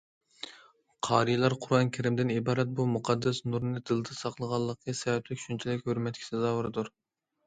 قارىيلار قۇرئان كەرىمدىن ئىبارەت بۇ مۇقەددەس نۇرنى دىلىدا ساقلىغانلىقى سەۋەبلىك شۇنچىلىك ھۆرمەتكە سازاۋەردۇر.